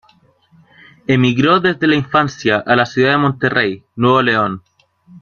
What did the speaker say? Emigró desde la infancia a la ciudad de Monterrey, Nuevo León.